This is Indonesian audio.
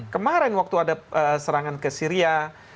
kemarin waktu ada serangan ke syria